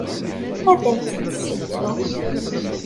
Ad am-tt-id-ssegzun.